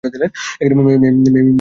মেই-মেই, আমি আসছি।